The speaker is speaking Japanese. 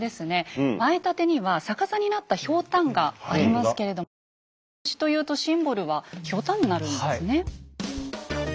前立には逆さになったひょうたんがありますけれどもやっぱり秀吉というとシンボルはひょうたんになるんですね。